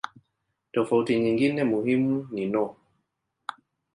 Tofauti nyingine muhimu ni no.